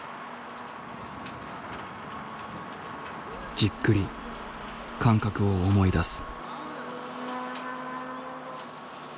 じっくり感覚を思い出す。